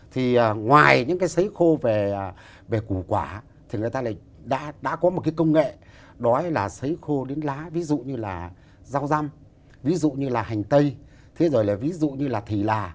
thì ngoài những cái xấy khô về củ quả thì người ta lại đã có một cái công nghệ đó là xấy khô đến lá ví dụ như là rau răm ví dụ như là hành tây thế rồi là ví dụ như là thủy là